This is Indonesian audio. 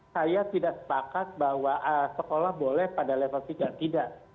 saya tidak sepakat bahwa sekolah boleh pada level tiga tidak